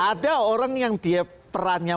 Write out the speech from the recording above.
ada orang yang dia perannya